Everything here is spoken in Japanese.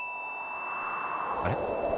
あれ？